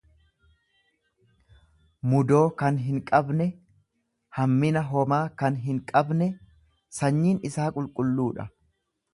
mudoo kan hinqabne, hammina homaa kan hinqabne; Sanyiin isaa qulqulluudha.